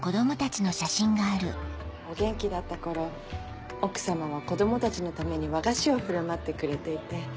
お元気だった頃奥さまは子供たちのために和菓子を振る舞ってくれていて。